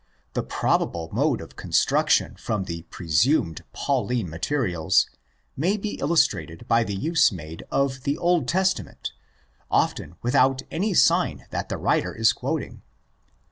The probable mode of construction from the presumed '' Pauline "' materials may be illustrated by the use made of the Old Testament, often without any sign that the writer is quoting.